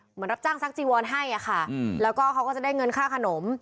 เหมือนรับจ้างซักจีวอนให้อะค่ะแล้วก็เขาก็จะได้เงินค่าขนม